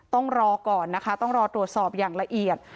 ต้องรอก่อนนะคะต้องรอตรวจสอบอย่างละเอียด